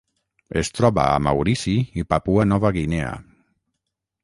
Es troba a Maurici i Papua Nova Guinea.